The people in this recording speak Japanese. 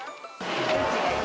どっちがいい？